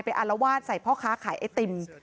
อารวาสใส่พ่อค้าขายไอติม